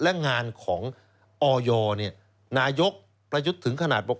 และงานของออยนายกประยุทธ์ถึงขนาดบอก